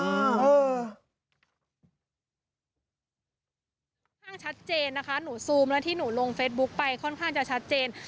ข้างชัดเจนนะคะหนูซูมแล้วที่หนูลงเฟซบุ๊คไปค่อนข้างจะชัดเจน